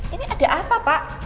ini ada apa pak